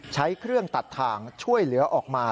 ใช้เครื่องตัดทางช่วยเหลือออกมา